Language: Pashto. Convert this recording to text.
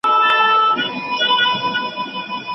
له مشرانو سره احترام کوه چي دعا درته وکړي او ژوند دي ښه سي .